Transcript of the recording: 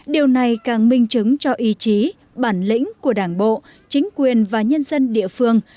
điều này càng minh chứng cho ý chí bản lĩnh của đảng bộ chính quyền và nhân dân địa phương